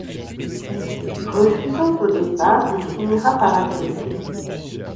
Refusant au départ, il finira par accepter.